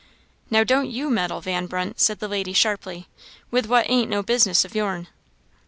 "Now, don't you meddle, Van Brunt," said the lady, sharply, "with what ain't no business o' yourn."